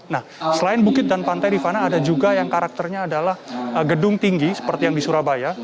nah selain bukit dan pantai rifana ada juga yang karakternya adalah gedung tinggi seperti yang di surabaya